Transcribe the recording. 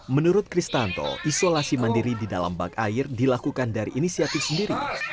menurut kristanto isolasi mandiri di dalam bak air dilakukan dari inisiatif sendiri